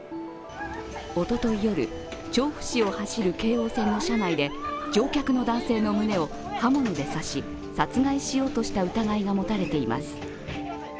おととい夜、調布市を走る京王線の車内で乗客の男性の胸を刃物で刺し、殺害しようとした疑いが持たれています。